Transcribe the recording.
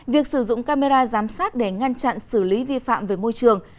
việc sử dụng camera giám sát để ngăn chặn xử lý vi phạm về môi trường